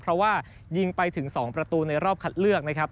เพราะว่ายิงไปถึง๒ประตูในรอบคัดเลือกนะครับ